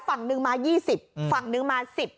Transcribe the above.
ฝั่งนึงมายี่สิบฝั่งนึงมาสิบ